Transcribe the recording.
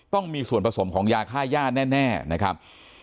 ต้องมีส่วนผสมของยาค่าย่าแน่นะครับ